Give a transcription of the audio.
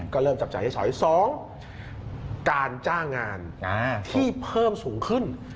ก็เริ่มจับจ่ายใช้สอย๒การจ้างงานที่เพิ่มสูงขึ้น